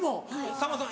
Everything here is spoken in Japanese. さんまさん